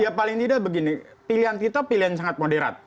ya paling tidak begini pilihan kita pilihan sangat moderat